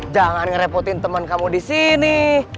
jangan ngerepotin teman kamu di sini